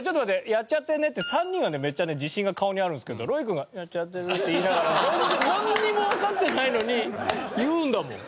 「やっちゃってるね」って３人はめっちゃね自信が顔にあるんですけどＲＯＹ君は「やっちゃってる」って言いながら全然なんにもわかってないのに言うんだもん。